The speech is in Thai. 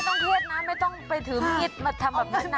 ไม่ต้องเทียดนะไม่ต้องไปถือมิตรมาทำแบบนั้นนะ